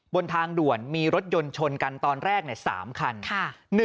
บนทางด่วนมีรถยนต์ชนกันตอนแรก๓คัน